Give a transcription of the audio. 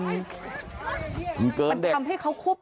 มันทำให้เขาควบ